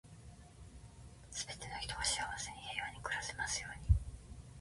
全ての人が幸せに、平和に暮らせますように。